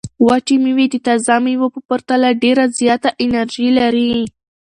وچې مېوې د تازه مېوو په پرتله ډېره زیاته انرژي لري.